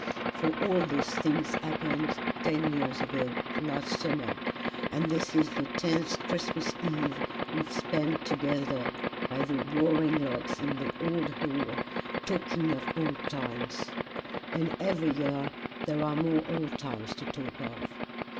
For all those things happened ten years ago last summer, and this is the tenth Christmas Eve we have spent together by the roaring logs in the old hall, talking of old times; and every year there are more old times to talk of.